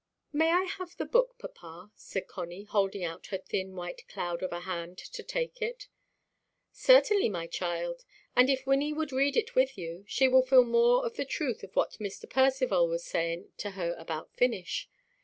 "May I have the book, papa?" said Connie, holding out her thin white cloud of a hand to take it. "Certainly, my child. And if Wynnie would read it with you, she will feel more of the truth of what Mr. Percivale was saying to her about finish.